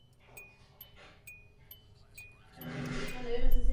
Autor při své profesionální práci často spolupracuje na projektech se svou rodinou.